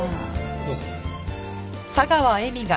どうぞ。